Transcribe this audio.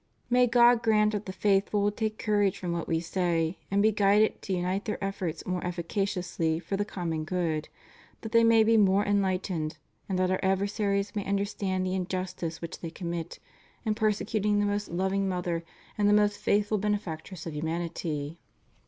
May God grant that the faithful will take courage from what We say and be guided to unite their efforts more efficaciously for the common good; that they may be more enUghtened and that Our adversaries may understand the injustice which they commit in persecuting the most loving mother and the most faithful benefactress of humanity.